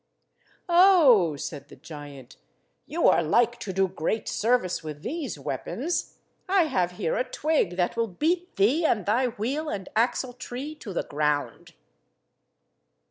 "Oh," said the giant, "you are like to do great service with these weapons. I have here a twig that will beat thee and thy wheel and axle–tree to the ground."